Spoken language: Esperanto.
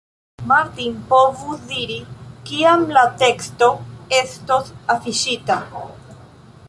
Martin povus diri, kiam la teksto estos afiŝita.